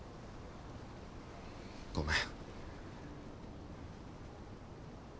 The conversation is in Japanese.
ごめん。